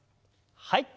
はい。